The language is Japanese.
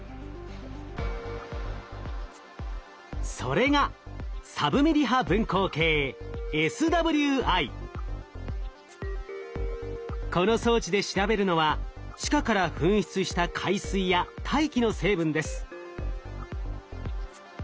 それがこの装置で調べるのは地下から噴出した海水や大気の成分です。